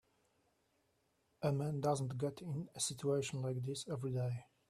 A man doesn't get in a situation like this every day.